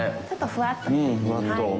ちょっとふわっと。